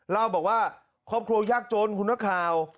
เล่าบอกว่าครอบครัวยากจนคุณนักข่าว